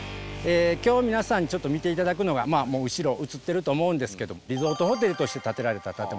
今日皆さんにちょっと見ていただくのがもう後ろ映ってると思うんですけどリゾートホテルとして建てられた建物ですね。